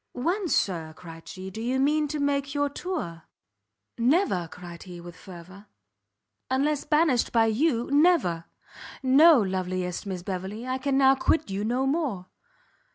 "When, Sir," cried she, "do you mean to make your tour?" "Never!" cried he, with fervour, "unless banished by you, never! no, loveliest Miss Beverley, I can now quit you no more!